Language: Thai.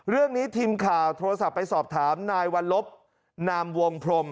เรื่องนี้ทีมข่าวโทรศัพท์ไปสอบถามนายวัลลบนามวงพรม